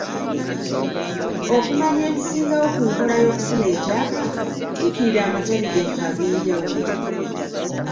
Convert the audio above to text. Okumanya ebisingawo ku nkola y'okufuna ekyapa, tuukirira amatabi gaffe ag'enjawulo.